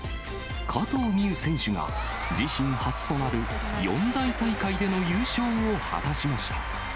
加藤未唯選手が、自身初となる四大大会での優勝を果たしました。